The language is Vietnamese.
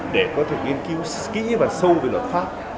để có thể nghiên cứu kỹ và sâu về luật pháp